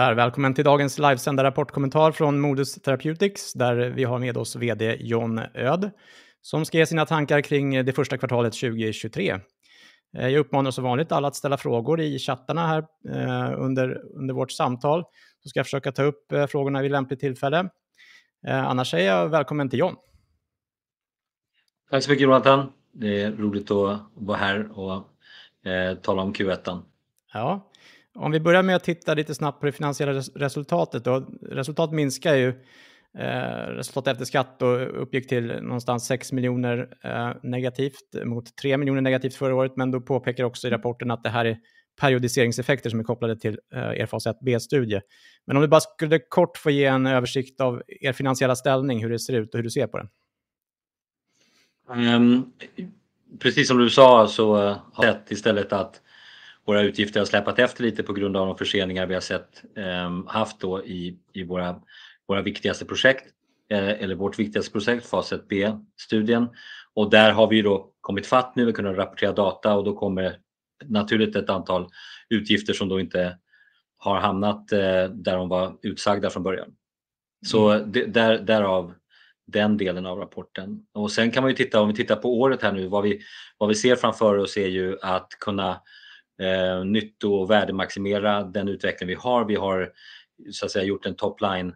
Välkommen till dagens livesända rapportkommentar från Modus Therapeutics där vi har med oss VD John Öhd som ska ge sina tankar kring det första kvartalet 2023. Jag uppmanar som vanligt alla att ställa frågor i chattarna här under vårt samtal. Annars säger jag välkommen till John. Tack så mycket Jonathan. Det är roligt att vara här och tala om Q1. Om vi börjar med att titta lite snabbt på det finansiella resultatet då. Resultatet minskar ju. Resultat efter skatt då uppgick till någonstans 6 million negativt mot 3 million negativt förra året. Du påpekar också i rapporten att det här är periodiseringseffekter som är kopplade till er Fas 1b studie. Om du bara skulle kort få ge en översikt av er finansiella ställning, hur det ser ut och hur du ser på den. Precis som du sa så har vi sett istället att våra utgifter har släpat efter lite på grund av de förseningar vi har sett, haft då i våra viktigaste projekt, eller vårt viktigaste projekt, fas 1b-studien. Där har vi då kommit ifatt nu, vi har kunnat rapportera data och då kommer naturligt ett antal utgifter som då inte har hamnat där de var utsagda från början. Därav den delen av rapporten. Sen kan man ju titta, om vi tittar på året här nu, vad vi ser framför oss är ju att kunna nytto- och värdemaximera den utveckling vi har. Vi har så att säga gjort en top-line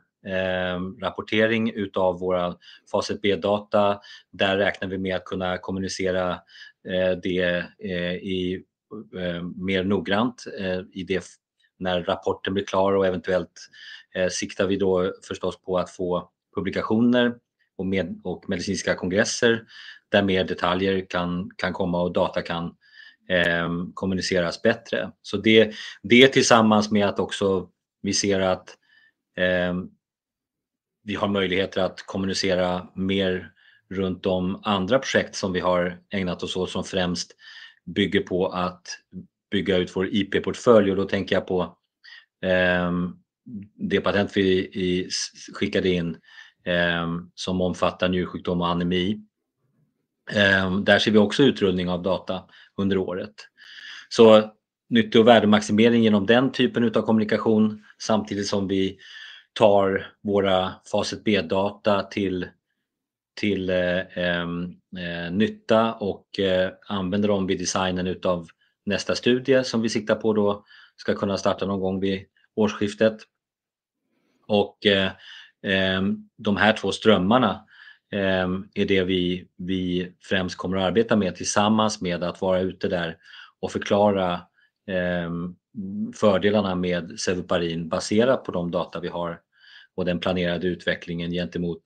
rapportering utav våra fas 1b data. Där räknar vi med att kunna kommunicera det i mer noggrant i det, när rapporten blir klar och eventuellt siktar vi då förstås på att få publikationer och medicinska kongresser där mer detaljer kan komma och data kan kommuniceras bättre. Det, det tillsammans med att också vi ser att vi har möjligheter att kommunicera mer runt de andra projekt som vi har ägnat oss åt som främst bygger på att bygga ut vår IP-portfölj. Då tänker jag på det patent vi skickade in som omfattar njursjukdom och anemi. Där ser vi också utrullning av data under året. Nytto- och värdemaximering igenom den typen av kommunikation, samtidigt som vi tar våra Fas 1b data till nytta och använder dem vid designen utav nästa studie som vi siktar på då ska kunna starta någon gång vid årsskiftet. De här två strömmarna är det vi främst kommer att arbeta med tillsammans med att vara ute där och förklarar fördelarna med sevuparin baserat på de data vi har och den planerade utvecklingen gentemot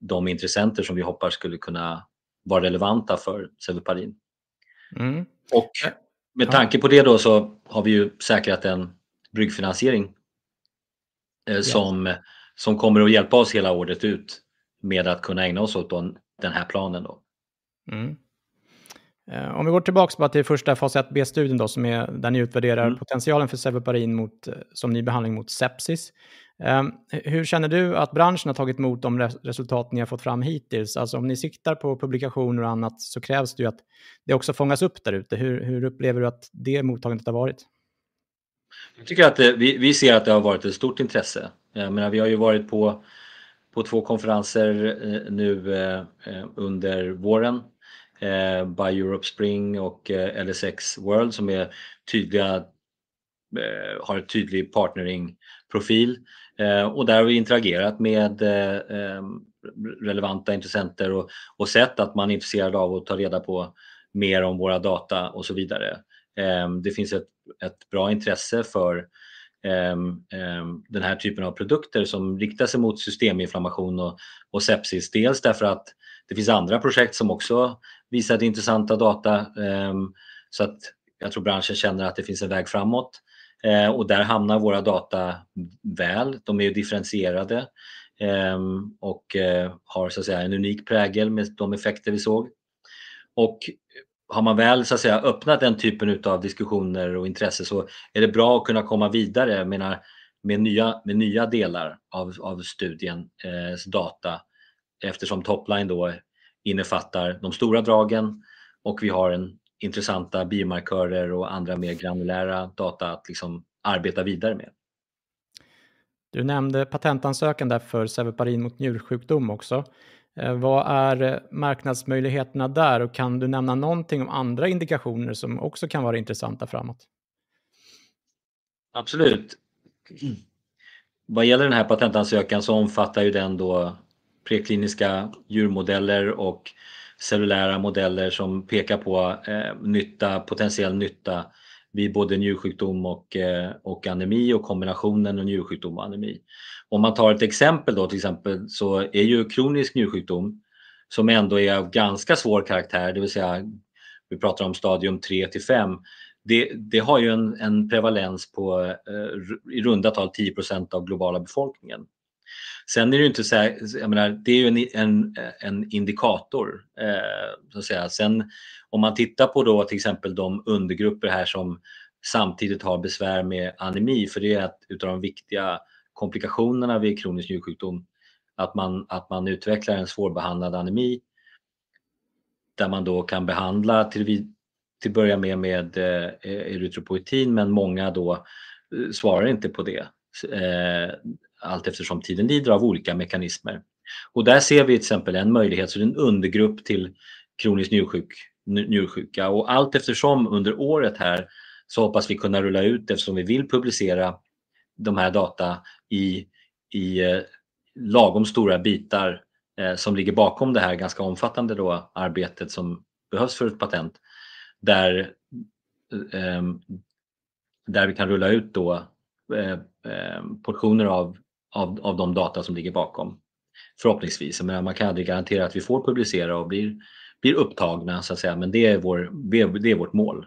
de intressenter som vi hoppar skulle kunna vara relevanta för sevuparin. Med tanke på det då så har vi ju säkrat en bryggfinansiering som kommer att hjälpa oss hela året ut med att kunna ägna oss åt den här planen då. Om vi går tillbaka bara till första fas 1b-studien då som är, där ni utvärderar potentialen för sevuparin mot, som ny behandling mot sepsis. Hur känner du att branschen har tagit emot de resultat ni har fått fram hittills? Om ni siktar på publikationer och annat så krävs det ju att det också fångas upp där ute. Hur upplever du att det mottagandet har varit? Jag tycker att det, vi ser att det har varit ett stort intresse. Jag menar vi har ju varit på två konferenser nu under våren, BIO-Europe Spring och LSX World som är tydliga, har en tydlig partnering profil. Där har vi interagerat med relevanta intressenter och sett att man är intresserad av att ta reda på mer om våra data och så vidare. Det finns ett bra intresse för den här typen av produkter som riktar sig mot systeminflammation och sepsis. Dels därför att det finns andra projekt som också visar intressanta data. Jag tror branschen känner att det finns en väg framåt och där hamnar våra data väl. De är differentierade och har så att säga en unik prägel med de effekter vi såg. Har man väl så att säga öppnat den typen utav diskussioner och intresse så är det bra att kunna komma vidare, jag menar med nya delar av studiens data. Top-line då innefattar de stora dragen och vi har intressanta biomarkörer och andra mer granulära data att liksom arbeta vidare med. Du nämnde patentansökan där för sevuparin mot njursjukdom också. Vad är marknadsmöjligheterna där och kan du nämna någonting om andra indikationer som också kan vara intressanta framåt? Absolut. Vad gäller den här patentansökan så omfattar ju den då prekliniska djurmodeller och cellulära modeller som pekar på nytta, potentiell nytta vid både njursjukdom och anemi och kombinationen av njursjukdom och anemi. Om man tar ett exempel då till exempel så är ju kronisk njursjukdom som ändå är av ganska svår karaktär, det vill säga vi pratar om stadium tre till fem. Det har ju en prevalens på i runda tal 10% av globala befolkningen. Sen är det ju inte så, jag menar det är en indikator så att säga. Om man tittar på då till exempel de undergrupper här som samtidigt har besvär med anemi, för det är ett utav de viktiga komplikationerna vid kronisk njursjukdom att man utvecklar en svårbehandlad anemi. Där man då kan behandla till börja med med erytropoietin, men många då svarar inte på det allteftersom tiden lider av olika mekanismer. Och där ser vi till exempel en möjlighet, så det är en undergrupp till kroniskt njursjuka. Och allteftersom under året här så hoppas vi kunna rulla ut eftersom vi vill publicera de här data i lagom stora bitar som ligger bakom det här ganska omfattande då arbetet som behövs för ett patent. Där vi kan rulla ut då portioner av de data som ligger bakom. Förhoppningsvis. man kan aldrig garantera att vi får publicera och blir upptagna så att säga, men det är vårt mål.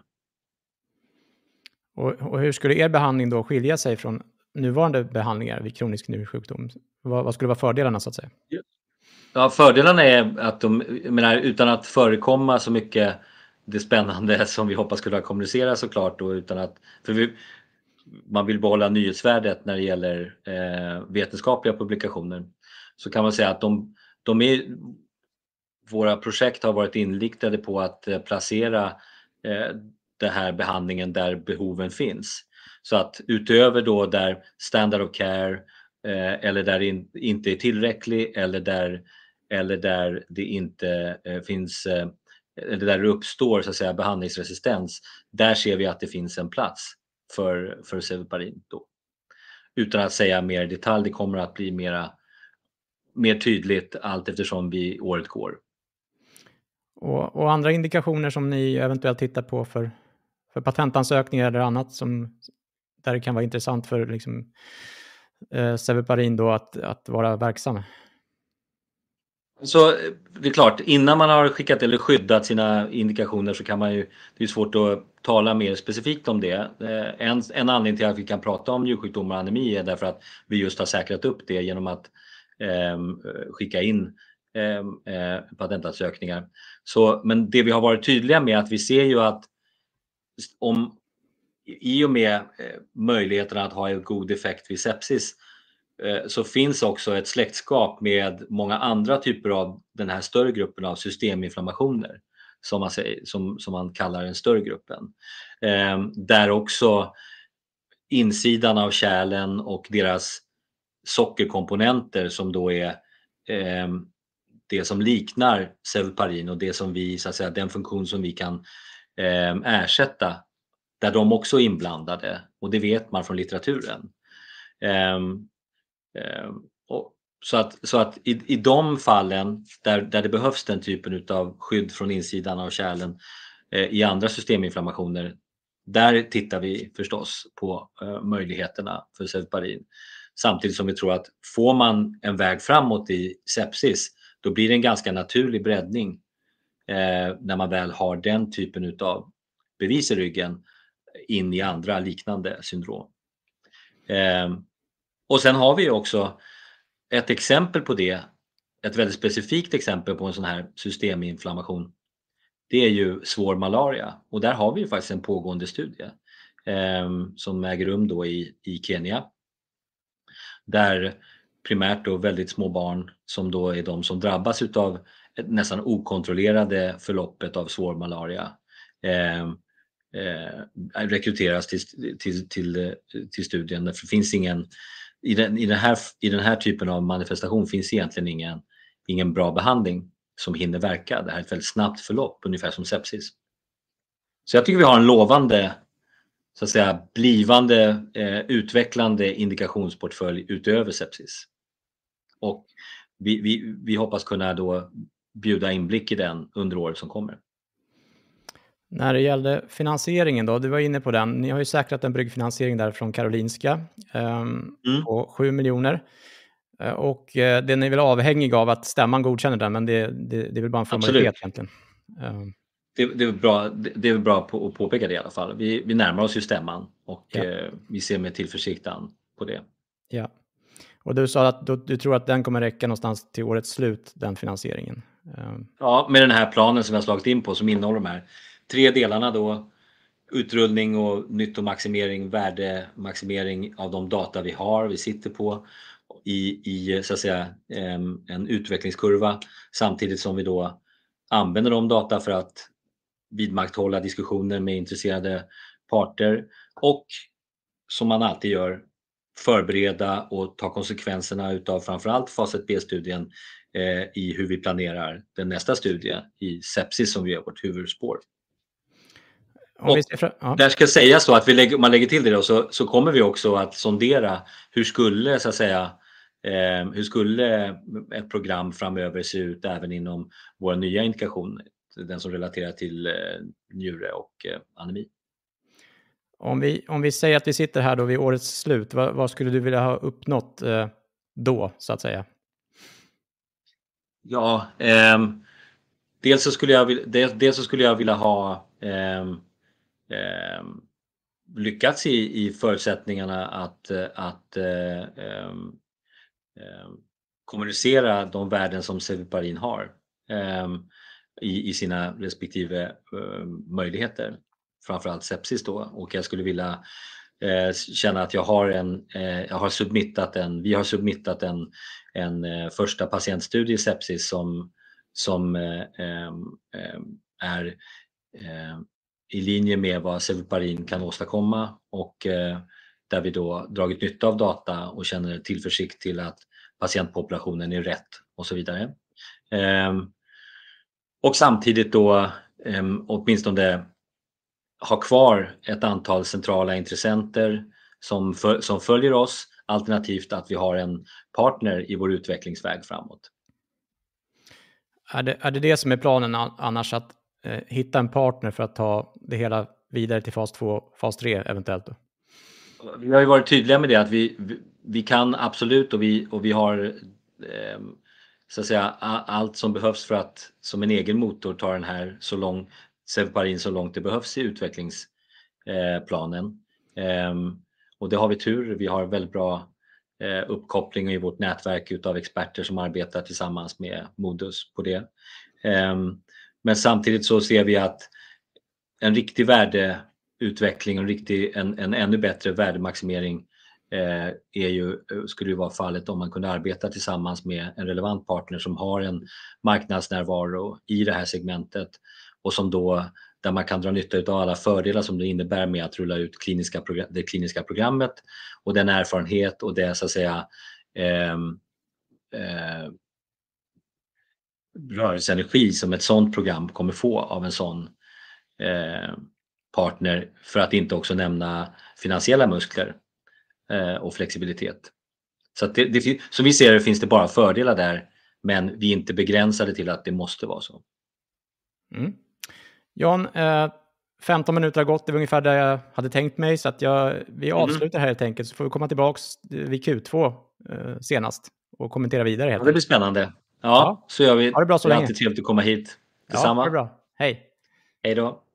hur skulle er behandling då skilja sig från nuvarande behandlingar vid kronisk njursjukdom? Vad skulle vara fördelarna så att säga? jag menar utan att förekomma så mycket det spännande som vi hoppas kunna kommunicera så klart då utan att man vill behålla nyhetsvärdet när det gäller vetenskapliga publikationer. kan man säga att våra projekt har varit inriktade på att placera den här behandlingen där behoven finns. utöver då där standard of care, eller där inte är tillräcklig eller där, eller där det inte finns, eller där det uppstår så att säga behandlingsresistens, där ser vi att det finns en plats för sevuparin då. Utan att säga mer detalj, det kommer att bli mer tydligt allteftersom vi året går. Andra indikationer som ni eventuellt tittar på för patentansökningar eller annat som, där det kan vara intressant för liksom, sevuparin då att vara verksamma? Det är klart, innan man har skickat eller skyddat sina indikationer så kan man ju, det är svårt att tala mer specifikt om det. En anledning till att vi kan prata om njursjukdomar anemi är därför att vi just har säkrat upp det genom att skicka in patentansökningar. Det vi har varit tydliga med att vi ser ju att om i och med möjligheterna att ha en god effekt vid sepsis, så finns också ett släktskap med många andra typer av den här större gruppen av systeminflammationer som man kallar den större gruppen. Där också insidan av kärlen och deras sockerkomponenter som då är det som liknar sevuparin och det som vi så att säga, den funktion som vi kan ersätta där de också är inblandade. Och det vet man från litteraturen. I de fallen där det behövs den typen utav skydd från insidan av kärlen i andra systeminflammationer, där tittar vi förstås på möjligheterna för sevuparin. Samtidigt som vi tror att får man en väg framåt i sepsis, då blir det en ganska naturlig breddning när man väl har den typen utav bevis i ryggen in i andra liknande syndrom. Sen har vi också ett exempel på det. Ett väldigt specifikt exempel på en sån här systeminflammation. Det är ju svår malaria och där har vi faktiskt en pågående studie som äger rum då i Kenya. Där primärt då väldigt små barn som då är de som drabbas utav ett nästan okontrollerade förloppet av svår malaria, rekryteras till studien. Finns ingen i den här typen av manifestation finns egentligen ingen bra behandling som hinner verka. Det här är ett väldigt snabbt förlopp, ungefär som sepsis. Jag tycker vi har en lovande, så att säga, blivande, utvecklande indikationsportfölj utöver sepsis. Vi hoppas kunna då bjuda inblick i den under året som kommer. När det gällde finansieringen då, du var inne på den. Ni har ju säkrat en bryggfinansiering där från Karolinska, på 7 million. Den är väl avhängig av att stämman godkänner den, men det är väl bara en formalitet egentligen. Det är väl bra, det är väl bra att påpeka det i alla fall. Vi närmar oss ju stämman och vi ser med tillförsiktan på det. Ja, du sa att du tror att den kommer räcka någonstans till årets slut, den finansieringen. Med den här planen som vi har slagit in på som innehåller de här tre delarna då. Utrullning och nyttomaximering, värdemaximering av de data vi har, vi sitter på i så att säga en utvecklingskurva samtidigt som vi då använder de data för att vidmakthålla diskussioner med intresserade parter och som man alltid gör, förbereda och ta konsekvenserna utav framför allt fas 1b-studien i hur vi planerar den nästa studie i sepsis som ger vårt huvudspår. Och Där ska jag säga så att man lägger till det då så kommer vi också att sondera så att säga, hur skulle ett program framöver se ut även inom våra nya indikationer, den som relaterar till njure och anemi. Om vi säger att vi sitter här då vid årets slut, va, vad skulle du vilja ha uppnått då så att säga? Ja, dels så skulle jag vilja ha lyckats i förutsättningarna att kommunicera de värden som sevuparin har i sina respektive möjligheter. Framför allt sepsis då. Och jag skulle vilja känna att jag har en, jag har submittat en, vi har submittat en första patientstudie i sepsis som är i linje med vad sevuparin kan åstadkomma och där vi då dragit nytta av data och känner tillförsikt till att patientpopulationen är rätt och så vidare. Och samtidigt då åtminstone ha kvar ett antal centrala intressenter som följer oss, alternativt att vi har en partner i vår utvecklingsväg framåt. Är det det som är planen annars att hitta en partner för att ta det hela vidare till fas 2, fas 3 eventuellt då? Vi har varit tydliga med det att vi kan absolut och vi har så att säga allt som behövs för att som en egen motor ta den här sevuparin så långt det behövs i utvecklingsplanen. Det har vi tur. Vi har väldigt bra uppkoppling i vårt nätverk utav experter som arbetar tillsammans med Modus på det. Men samtidigt så ser vi att en riktig värdeutveckling, en riktig, en ännu bättre värdemaximering, är ju, skulle vara fallet om man kunde arbeta tillsammans med en relevant partner som har en marknadsnärvaro i det här segmentet och som då, där man kan dra nytta utav alla fördelar som det innebär med att rulla ut kliniska program, det kliniska programmet och den erfarenhet och det så att säga, rörelseenergi som ett sådant program kommer få av en sån, partner för att inte också nämna finansiella muskler och flexibilitet. Det, som vi ser det finns det bara fördelar där, men vi är inte begränsade till att det måste vara så. Jan, 15 minuter har gått. Det var ungefär där jag hade tänkt mig så att vi avslutar det här helt enkelt. Får vi komma tillbaks vid Q2 senast och kommentera vidare helt enkelt. Ja, det blir spännande. Ja, så gör vi. Ha det bra så länge. Alltid trevligt att komma hit. Detsamma. Ja, ha det bra. Hej. Hej då.